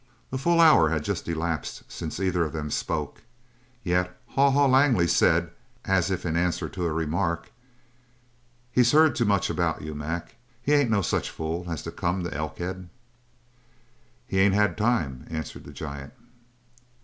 A full hour had just elapsed since either of them spoke, yet Haw Haw Langley said, as if in answer to a remark: "He's heard too much about you, Mac. He ain't no such fool as to come to Elkhead." "He ain't had time," answered the giant.